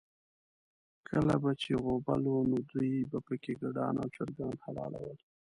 کله به چې غوبل و، نو دوی به پکې ګډان او چرګان حلالول.